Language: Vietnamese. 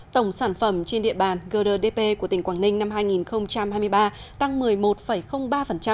tổng sản phẩm trên địa bàn grdp của tỉnh quảng ninh năm hai nghìn hai mươi ba tăng một mươi một ba